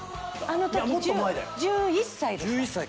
あのとき１１歳でした。